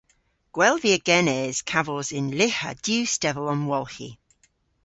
Gwell via genes kavos yn lyha diw stevel omwolghi.